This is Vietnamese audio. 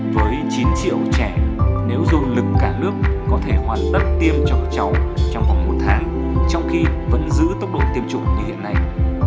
với chín triệu trẻ nếu dôn lực cả nước có thể hoàn tất tiêm cho các cháu trong vòng một tháng trong khi vẫn giữ tốc độ tiêm chủng như hiện nay